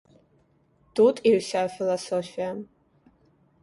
Тут і ўся філасофія.